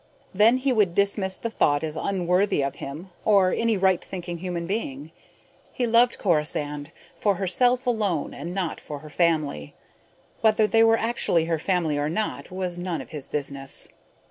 Then he would dismiss the thought as unworthy of him or any right thinking human being. He loved Corisande for herself alone and not for her family. Whether they were actually her family or not was none of his business.